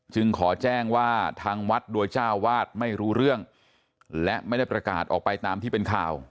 ขอแจ้งว่าทางวัดโดยเจ้าวาดไม่รู้เรื่องและไม่ได้ประกาศออกไปตามที่เป็นข่าว